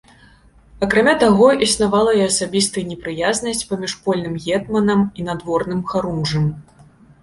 Акрамя таго існавала і асабістая непрыязнасць паміж польным гетманам і надворным харунжым.